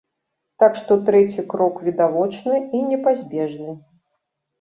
Так што трэці крок відавочны і непазбежны.